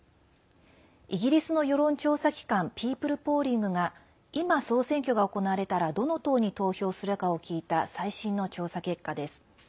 イギリスの世論調査機関ピープル・ポーリングが今、総選挙が行われたらどの党に投票するかを聞いた最新の調査結果です。